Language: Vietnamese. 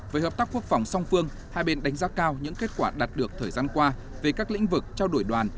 về hợp tác quốc phòng song phương hai bên đánh giá cao những kết quả đạt được thời gian qua về các lĩnh vực trao đổi đoàn